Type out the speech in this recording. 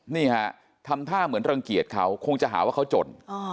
นี่ฮะทำท่าเหมือนรังเกียจเขาคงจะหาว่าเขาจน